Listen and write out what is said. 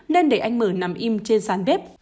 nên để anh m nằm im trên sàn bếp